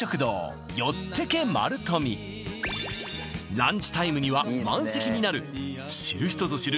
ランチタイムには満席になる知る人ぞ知る